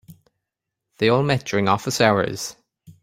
They all met during office hours.